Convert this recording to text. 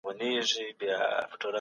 څېړونکی وايي چي زمانه باید هېره نه سي.